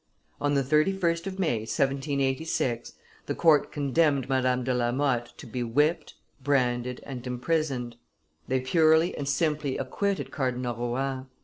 On the 31st of May, 1786, the court condemned Madame de la Motte to be whipped, branded, and imprisoned; they purely and simply acquitted Cardinal Rohan.